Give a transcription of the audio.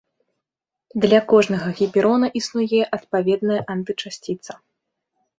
Для кожнага гіперона існуе адпаведная антычасціца.